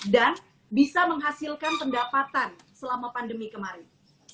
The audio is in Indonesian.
dan bisa menghasilkan pendapatan selama pandemi kemarin